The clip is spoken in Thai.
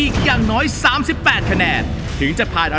คณะกรรมการทั้ง๓ท่านค่ะ